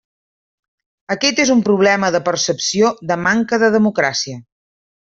Aquest és un problema de percepció de manca de democràcia.